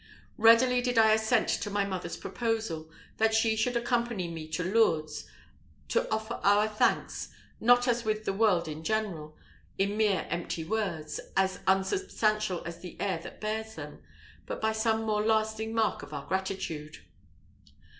Readily did I assent to my mother's proposal, that she should accompany me to Lourdes to offer our thanks not as with the world in general, in mere empty words, as unsubstantial as the air that bears them, but by some more lasting mark of our gratitude.